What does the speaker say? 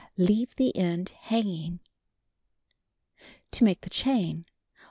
Xeave the end hanging. To Make the Chain : 1.